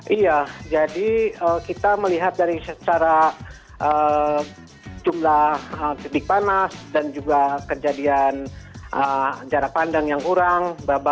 iya jadi kita melihat dari secara jumlah titik panas dan juga kejadian jarak pandang yang kurang